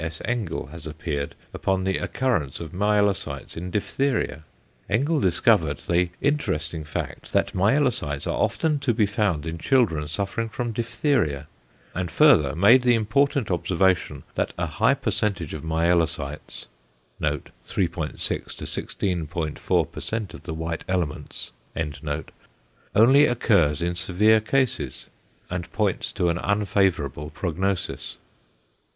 S. Engel has appeared upon the occurrence of myelocytes in diphtheria. Engel discovered the interesting fact, that myelocytes are often to be found in children suffering from diphtheria, and further made the important observation that a high percentage of myelocytes (3.6 16.4% of the white elements) only occurs in severe cases, and points to an unfavourable prognosis.